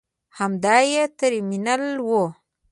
همدا یې ترمینل و.